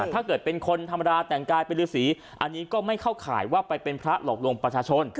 ถ้าเกิดเป็นคนธรรมดาแต่งกายเป็นฤษีอันนี้ก็ไม่เข้าข่ายว่าไปเป็นพระหลอกลวงประชาชน